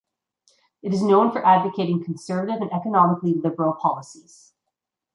It is known for advocating conservative and economically liberal policies.